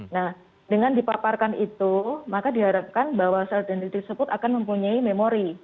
nah dengan dipaparkan itu maka diharapkan bahwa sel dendiri tersebut akan mempunyai memori